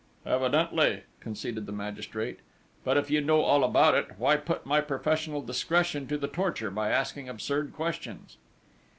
"Evidently," conceded the magistrate. "But if you know all about it, why put my professional discretion to the torture by asking absurd questions?"